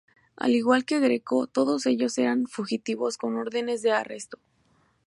Al igual que Greco, todos ellos eran fugitivos con órdenes de arresto.